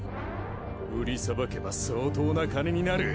売りさばけば相当な金になる。